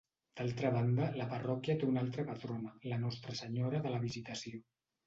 D'altra banda, la parròquia té una altra patrona, la Nostra Senyora de la Visitació.